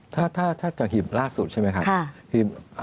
ถ้าจากหีบล่าสุดใช่ไหมครับ